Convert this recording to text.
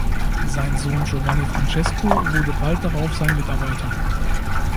Sein Sohn Giovanni Francesco wurde bald darauf sein Mitarbeiter.